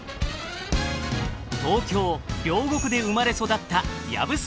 東京・両国で生まれ育った藪沢